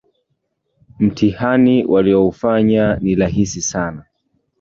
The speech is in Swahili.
Mtihani walioufanya ni rahisi sana